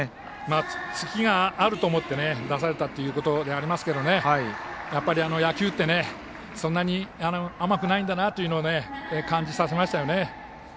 ツキがあると思って出されたということでありますけどやっぱり野球ってそんなに甘くないんだなと感じさせましたよね。